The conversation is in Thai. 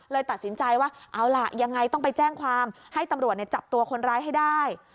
ตัดสินใจว่าเอาล่ะยังไงต้องไปแจ้งความให้ตำรวจจับตัวคนร้ายให้ได้